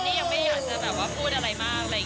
ถ้าวันหนึ่งมันรู้สึกว่าเออ